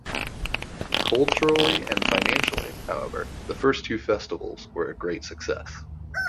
Culturally and financially, however, the first two festivals were a great success.